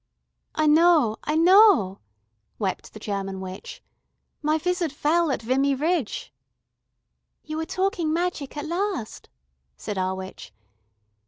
"I know, I know," wept the German witch. "My wizard fell at Vimy Ridge...." "You are talking magic at last," said our witch.